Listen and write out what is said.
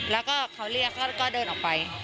แล้วก็เขาเรียกเขาก็เดินออกไป